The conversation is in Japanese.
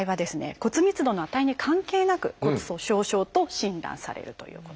骨密度の値に関係なく「骨粗しょう症」と診断されるということです。